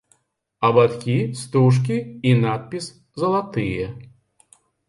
Абадкі, стужкі і надпіс залатыя.